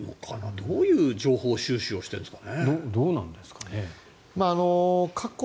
どういう情報収集をしてるんですかね？